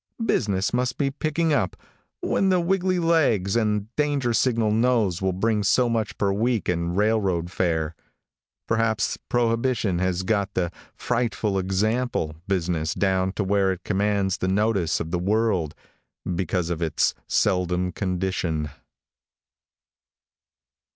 Business must be picking up when the wiggly legs and danger signal nose will bring so much per week and railroad fare. Perhaps prohibition has got the "frightful example" business down to where it commands the notice of the world because of its seldom condition.